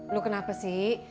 lo kenapa sih